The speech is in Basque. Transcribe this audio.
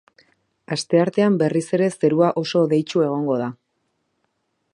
Asteartean berriz ere zerua oso hodeitsu egongo da.